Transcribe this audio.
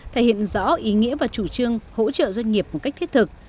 thể hiện rõ ý nghĩa và chủ trương hỗ trợ doanh nghiệp một cách thiết thực